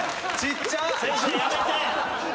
先生やめて！